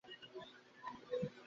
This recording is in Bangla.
তাঁহার মন শুদ্ধ হইয়া যায়।